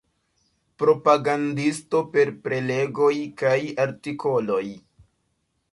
Propagandisto per prelegoj kaj artikoloj.